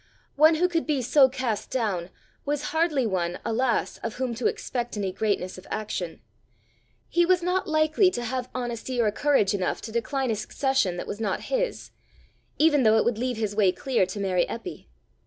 One who could be so cast down, was hardly one, alas, of whom to expect any greatness of action! He was not likely to have honesty or courage enough to decline a succession that was not his even though it would leave his way clear to marry Eppy.